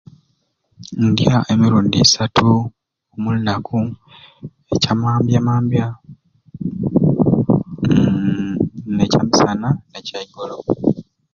Ndya emirundi isatu mu lunaku ekyamambyamambya umm n'ekyamisana n'ekyaigolo.